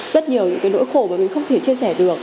rất nhiều những cái nỗi khổ mà mình không thể chia sẻ được